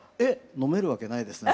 飲めるわけないですね。